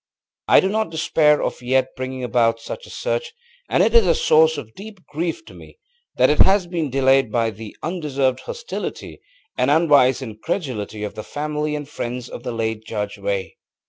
I do not despair of yet bringing about such a search, and it is a source of deep grief to me that it has been delayed by the undeserved hostility and unwise incredulity of the family and friends of the late Judge Veigh.